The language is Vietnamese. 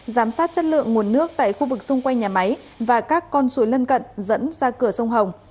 giám sát chất lượng nguồn nước tại khu vực xung quanh nhà máy và các con suối lân cận dẫn ra cửa sông hồng